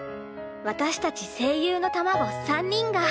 私たち声優の卵３人が。